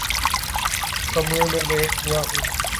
کمرے میں لیٹ گیا ہوں